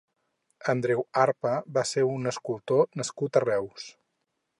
Andreu Arpa va ser un escultor nascut a Reus.